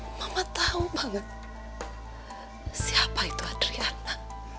mama tau mama tau banget siapa itu adriana